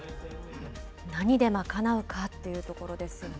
何で賄うかというところですよね。